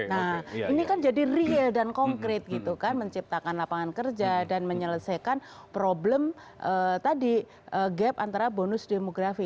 nah ini kan jadi real dan konkret gitu kan menciptakan lapangan kerja dan menyelesaikan problem tadi gap antara bonus demografi